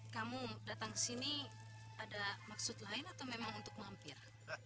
kamu datang ke sini ada maksud lain atau memang untuk mampir